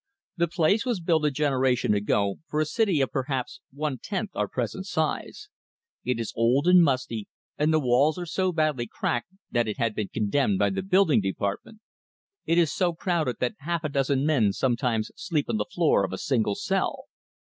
The place was built a generation ago, for a city of perhaps one tenth our present size; it is old and musty, and the walls are so badly cracked that it has been condemned by the building department. It is so crowded that half a dozen men sometimes sleep on the floor of a single cell.